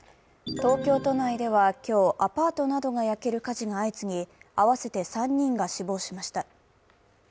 東京都内では今日、アパートなどが焼ける火事が相次ぎ合わせて３人が死亡しました。